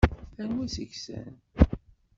Anwa seg-sen?